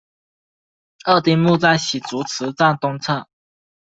二丁目在洗足池站东侧。